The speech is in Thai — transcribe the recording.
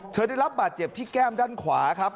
ได้รับบาดเจ็บที่แก้มด้านขวาครับ